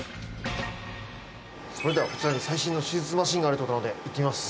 それではこちらに最新の手術マシンがあるってことなので行ってみます